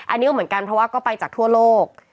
อันนี้ก็เหมือนกันเพราะว่าก็ไปจากทั่วโลก